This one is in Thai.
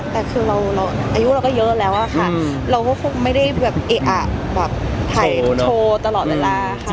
แต่คือเราอายุเราก็เยอะแล้วอะค่ะเราก็คงไม่ได้แบบเอะอะแบบถ่ายโชว์ตลอดเวลาค่ะ